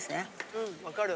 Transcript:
うんわかる。